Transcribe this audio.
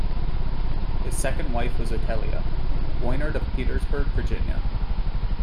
His second wife was Otelia Voinard of Petersburg, Virginia.